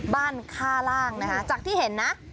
ค่าล่างนะคะจากที่เห็นนะ